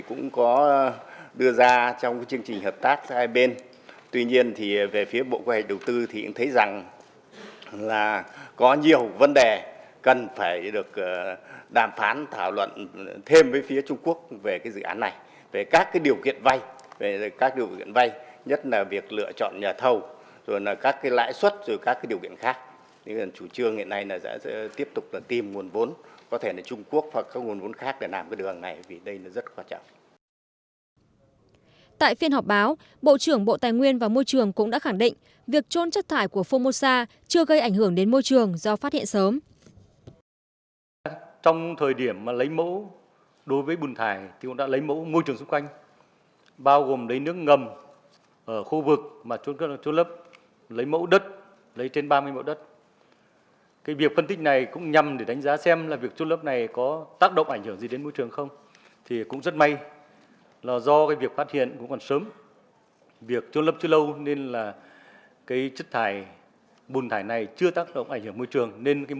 chất thải bùn thải này chưa tác động ảnh hưởng môi trường nên môi trường đấy vẫn ở mức độ đạt quy truẩn môi trường bình thường